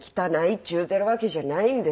っちゅうてるわけじゃないんです。